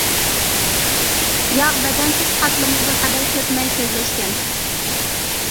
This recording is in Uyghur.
ياغ بەدەن سىرت قاتلىمىغا بىر قەدەر كۆپ مەركەزلەشكەن.